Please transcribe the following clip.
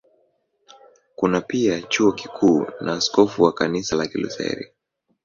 Kuna pia Chuo Kikuu na askofu wa Kanisa la Kilutheri.